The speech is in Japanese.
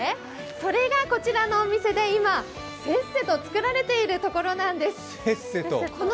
それがこちらのお店で、今せっせと作られているところなんです。